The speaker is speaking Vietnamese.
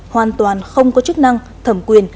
hoàn toàn không có chức năng thẩm quyền